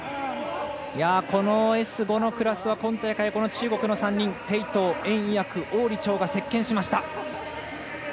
このＳ５のクラスは今大会、中国の３人鄭濤、袁偉訳、王李超が席けんしました。